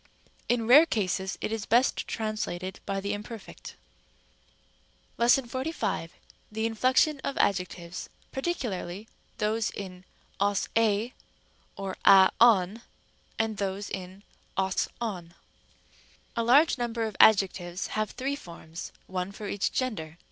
In rare cases it is best translated by the imperfect. §45. The inflection of adjectives, particularly those in 0S, ἢ Or α, τον and those in ος, ov. Rem. a. A large number of adjectives have three forms, one for each gender.